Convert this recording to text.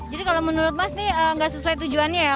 jadi kalau menurut mas ini nggak sesuai tujuannya ya